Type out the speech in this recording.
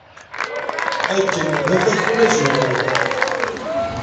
Akken d afakul azulal!